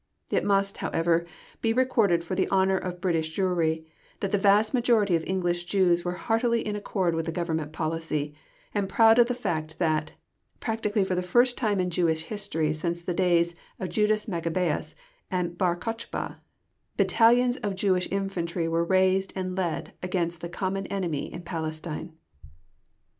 It must, however, be recorded for the honour of British Jewry, that the vast majority of English Jews were heartily in accord with the Government policy, and proud of the fact that, practically for the first time in Jewish history since the days of Judas Maccabæus and Bar Kochba, battalions of Jewish infantry were to be raised and led against the common enemy in Palestine.